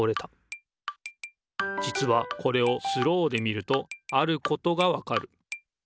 じつはこれをスローで見るとあることがわかる。